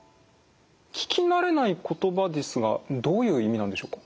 聞き慣れない言葉ですがどういう意味なんでしょうか。